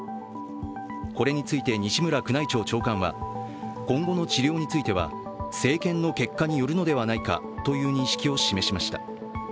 これについて西村宮内庁長官は今後の治療については生検の結果によるのではないかという認識を示しました。